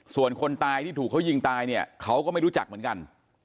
ส่วนคนตายที่ถูกเขายิงตายเนี่ยเขาก็ไม่รู้จักเหมือนกัน